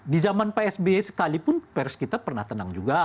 di zaman psb sekalipun pers kita pernah tenang juga